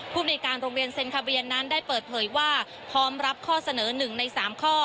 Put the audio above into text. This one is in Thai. ในการโรงเรียนเซ็นคาเบียนนั้นได้เปิดเผยว่าพร้อมรับข้อเสนอ๑ใน๓ข้อ